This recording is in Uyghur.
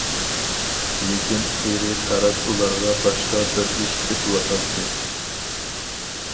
لېكىن قېرى تاراس ئۇلارغا باشقا بىر ئىش تېپىۋاتاتتى.